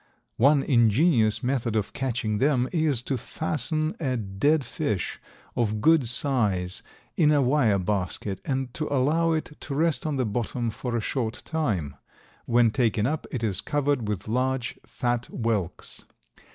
One ingenious method of catching them is to fasten a dead fish of good size in a wire basket and to allow it to rest on the bottom for a short time; when taken up it is covered with large, fat whelks.